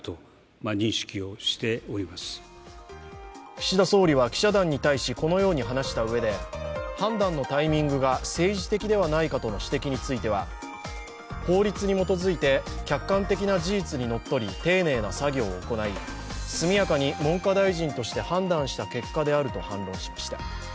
岸田総理は記者団に対しこのように話したうえで判断のタイミングが政治的ではないかとの指摘については、法律に基づいて客観的な事実にのっとり丁寧な作業を行い、速やかに文科大臣として判断した結果であると反論しました。